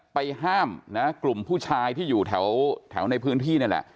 ไปห้ามนะกลุ่มผู้ชายที่อยู่แถวในพื้นที่นี่แหละ